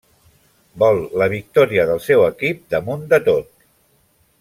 Vol la victòria del seu equip damunt de tot.